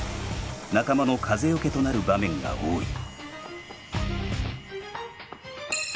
仲間の風よけとなる場面が多い。